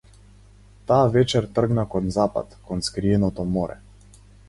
Таа вечер тргна кон запад, кон скриеното море.